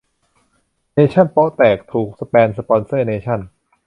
เนชั่นโป๊ะแตก ถูก แบนสปอนเซอร์เนชั่น